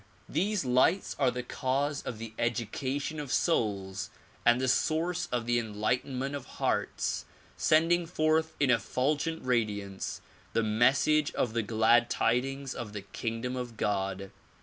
These lights are the cause of the education of souls and the source of the enlightenment of hearts, sending forth in effulgent radiance the message of the glad tidings of the kingdom of God.